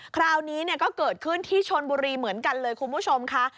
คราวนี้ก็เกิดขึ้นที่ชนบุรีเหมือนกันเลยคุณผู้ชมค่ะ